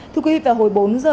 thưa quý vị vào hồi bốn giờ